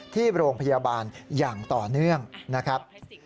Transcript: ที่โรงพยาบาลอย่างต่อเนื่องนะครับ